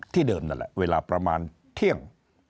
เดิมนั่นแหละเวลาประมาณเที่ยง